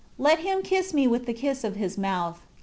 "Let him kiss me with the kiss of his mouth."